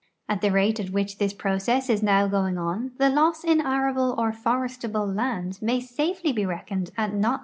At the rate at which this process is now going on, the loss in arable or forestal)le land may safely he reckoned at not le.